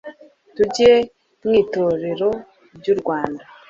tujye mwitorero ryurwanda